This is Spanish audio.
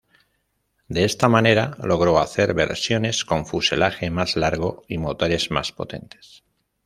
De esta manera logró hacer versiones con fuselaje más largo y motores más potentes.